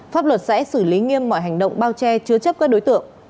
pháp luật sẽ xử lý nghiêm mọi hành động bao che chứa chấp các đối tượng